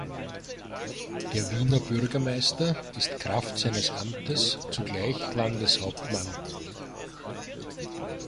Der Wiener Bürgermeister ist kraft seines Amtes zugleich Landeshauptmann.